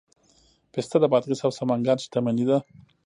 پسته د بادغیس او سمنګان شتمني ده.